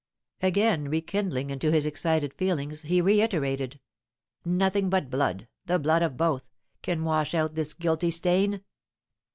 Again rekindling into his excited feelings, he reiterated, "Nothing but blood the blood of both can wash out this guilty stain!